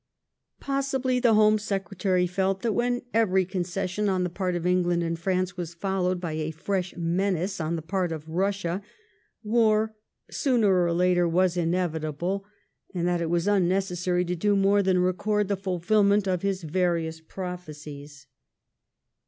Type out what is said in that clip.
Possibly the Home Secretary felt that when every concession on the part of England and France was followed by a fresh menace on the part of Bussia, war, sooner or later, was inevitable ; and that it was unneces sary to do more than record the fulfilment of his various prophecies.